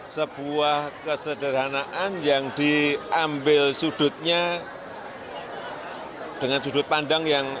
sebuah kesederhanaan yang diambil sudutnya dengan sudut pandang yang